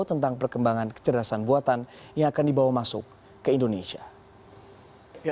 tentang perkembangan kecerdasan buatan yang akan dibawa masuk ke indonesia